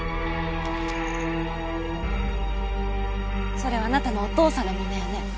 それあなたのお父さんのものやね？